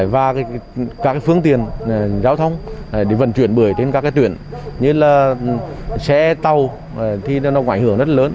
và các phương tiện giao thông để vận chuyển bưởi trên các tuyển như xe tàu thì nó ảnh hưởng rất lớn